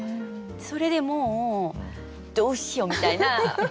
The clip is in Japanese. それでもうどうしようみたいな。